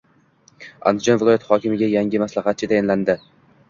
Andijon viloyati hokimiga yangi maslahatchi tayinlandi